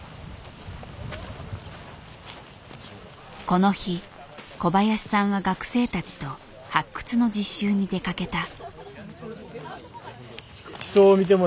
この日小林さんは学生たちと発掘の実習に出かけた。